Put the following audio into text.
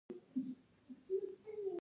د جغل اندازه د ډیزاین له مخې ورکول کیږي